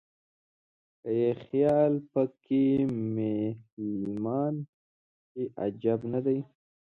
که یې خیال په کې مېلمان شي عجب نه دی.